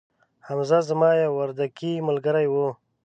حمزه زما یو وردکې ملګري وو